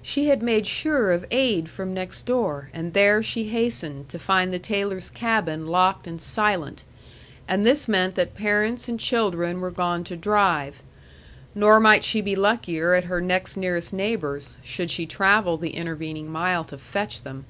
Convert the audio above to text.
She had made sure of aid from next door, and there she hastened, to find the Taylor's cabin locked and silent; and this meant that parents and children were gone to drive; nor might she be luckier at her next nearest neighbors', should she travel the intervening mile to fetch them.